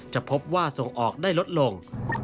จะพบว่าส่งออกได้ลดลง